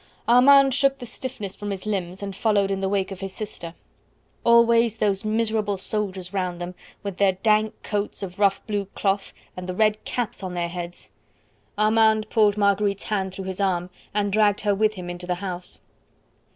Armand shook the stiffness from his limbs and followed in the wake of his sister. Always those miserable soldiers round them, with their dank coats of rough blue cloth, and the red caps on their heads! Armand pulled Marguerite's hand through his arm, and dragged her with him into the house.